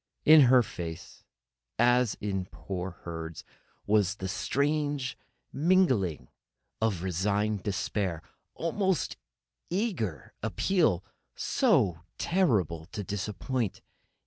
In her face, as in poor Herd's, was that same strange mingling of resigned despair and almost eager appeal, so terrible to disappoint.